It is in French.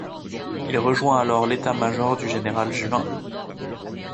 Il rejoint alors l'État-major du général Juin.